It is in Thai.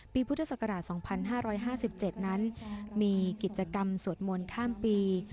พุทธศักราช๒๕๕๗นั้นมีกิจกรรมสวดมนต์ข้ามปี